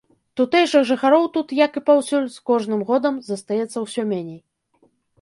Тутэйшых жыхароў тут, як і паўсюль, з кожным годам застаецца ўсё меней.